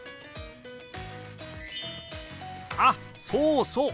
あっそうそう！